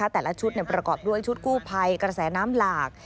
แต่ละชุดประกอบด้วยชุดกู้ภัยกระแสน้ำหลาก